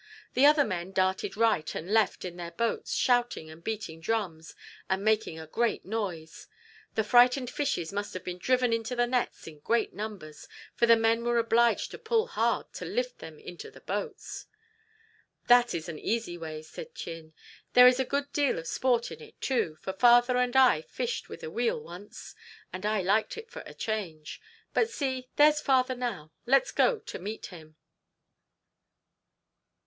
The other men darted right and left in their boats, shouting and beating drums, and making a great noise. The frightened fishes must have been driven into the nets in great numbers, for the men were obliged to pull hard to lift them into the boats." "That is an easy way," said Chin. "There is a good deal of sport in it, too, for father and I fished with a wheel once, and I liked it for a change. But see, there's father now. Let's go to meet him."